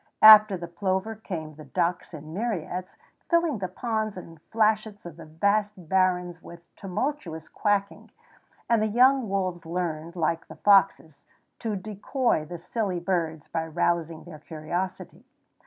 After the plover came the ducks in myriads, filling the ponds and flashets of the vast barrens with tumultuous quacking; and the young wolves learned, like the foxes, to decoy the silly birds by rousing their curiosity.